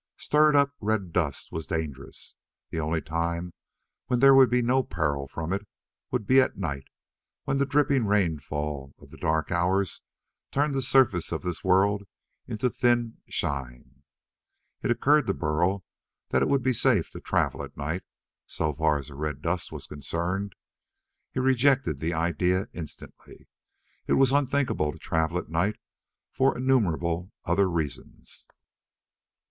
Stirred up red dust was dangerous. The only time when there would be no peril from it would be at night, when the dripping rainfall of the dark hours turned the surface of this world into thin shine. It occurred to Burl that it would be safe to travel at night, so far as the red dust was concerned. He rejected the idea instantly. It was unthinkable to travel at night for innumerable other reasons.